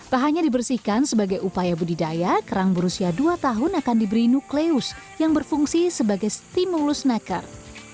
tak hanya dibersihkan sebagai upaya budidaya kerang berusia dua tahun akan diberi nukleus yang berfungsi sebagai stimulus naker